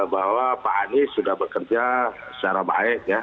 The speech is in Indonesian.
bahwa pak anies sudah bekerja secara baik ya